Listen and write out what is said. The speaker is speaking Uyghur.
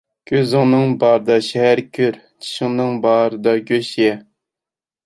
كۆزۈڭنىڭ بارىدا شەھەر كۆر، چىشىڭنىڭ بارىدا گۆش يە.